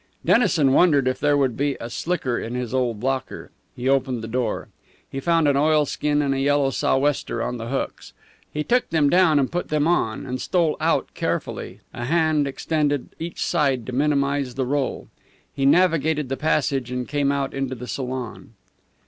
Dennison wondered if there would be a slicker in his old locker. He opened the door. He found an oilskin and a yellow sou'wester on the hooks. He took them down and put them on and stole out carefully, a hand extended each side to minimize the roll. He navigated the passage and came out into the salon.